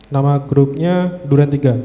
nama grupnya durian tiga